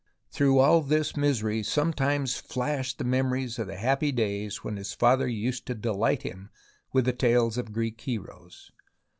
Through all his misery sometimes flashed the memories of the happy days when his father used to delight him with the tales of Greek heroes.